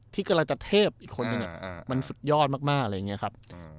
ที่กำลังจะเทพอีกคนอย่างเงี้ยมันสุดยอดมากมากอะไรอย่างเงี้ยครับ